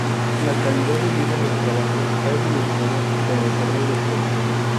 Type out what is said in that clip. La calidad de vida en el trabajo ha evolucionado con el correr del tiempo.